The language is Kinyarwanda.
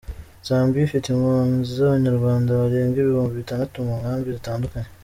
Zambia ifite impunzi z’Abanyarwanda barenga ibihumbi bitandatu mu nkambi zitandukanye.